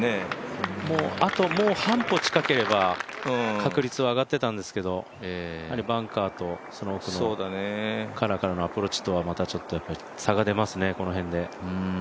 もうあと半歩近ければ確率は上がってたんですけどバンカーとその奥のカラーからのアプローチとはまたちょっと差が出ますね、この辺で。